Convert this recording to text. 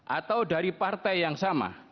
atau dari partai yang sama